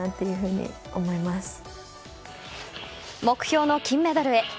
目標の金メダルへ。